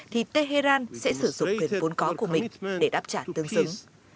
thì tehran sẽ sử dụng quyền vốn có của mỹ để đáp trả tương dứng